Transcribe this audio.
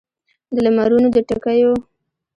د لمرونو د ټکېو